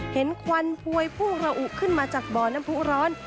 ควันพวยพุ่งระอุขึ้นมาจากบ่อน้ำผู้ร้อน